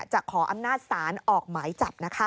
ขออำนาจศาลออกหมายจับนะคะ